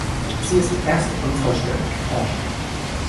Sie ist erst unvollständig erforscht.